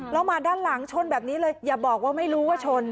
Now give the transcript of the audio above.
แล้วมาด้านหลังชนแบบนี้เลยอย่าบอกว่าไม่รู้ว่าชน